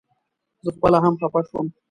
زه خپله هم خپه شوم.